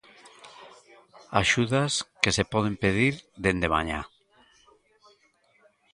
Axudas que se poden pedir dende mañá.